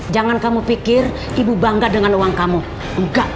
jangan kamu pikir ibu bangga dengan uang kamu enggak